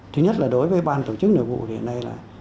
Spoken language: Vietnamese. thứ nhất là đối với ban tổ chức nội vụ thì này là